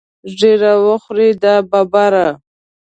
ږیره وخورې دا ببره.